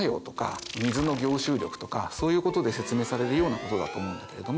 そういうことで説明されるようなことだと思うんだけれども。